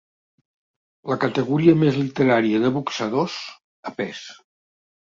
La categoria més literària de boxadors, a pes.